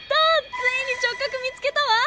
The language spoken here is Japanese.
ついに直角見つけたわ！